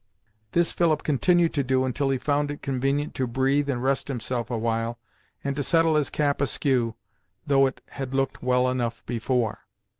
This Philip continued to do until he found it convenient to breathe and rest himself awhile and to settle his cap askew, though it had looked well enough before.